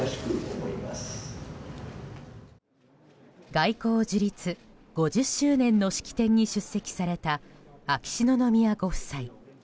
外交樹立５０周年の式典に出席された秋篠宮ご夫妻。